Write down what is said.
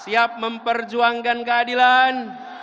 siap memperjuangkan keadilan